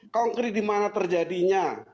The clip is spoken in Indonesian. konkret di mana terjadinya